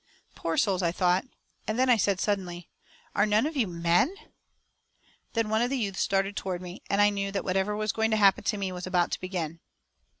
"Poor souls," I thought, and then I said suddenly, "Are none of you men?" Then one of the youths darted toward me, and I knew that whatever was going to happen to me was about to begin.